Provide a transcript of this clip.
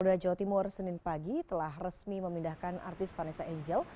polda jawa timur senin pagi telah resmi memindahkan artis vanessa angel